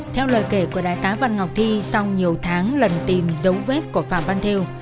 theo lời kể của đại tá văn ngọc thi sau nhiều tháng lần tìm dấu vết của phạm văn theo